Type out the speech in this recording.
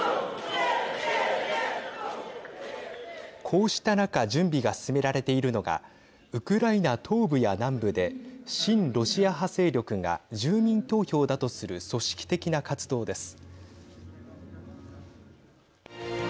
こうした中準備が進められているのがウクライナ東部や南部で親ロシア派勢力が住民投票だとする組織的な活動です。